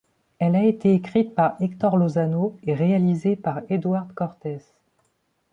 Elle a été écrite par Hector Lozano et réalisée par Eduard Cortés.